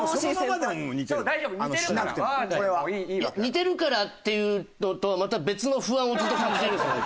似てるかなっていうのとまた別の不安をずっと感じてるんですよ。